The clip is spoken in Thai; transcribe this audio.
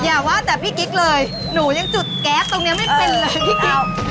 อย่าว่าแต่พี่กิ๊กเลยหนูยังจุดแก๊สตรงนี้ไม่เป็นเลยพี่กาว